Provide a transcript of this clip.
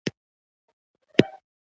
وسله د خبرو بدیل نه شي کېدای